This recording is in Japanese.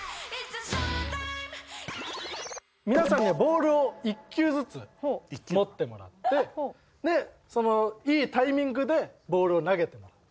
皆さんにはボールを１球ずつ持ってもらってそのいいタイミングでボールを投げてもらう。